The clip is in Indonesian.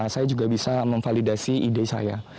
saya juga bisa memvalidasi ide saya